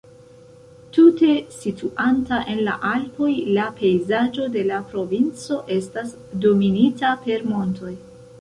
Tute situanta en la Alpoj, la pejzaĝo de la provinco estas dominita per montoj.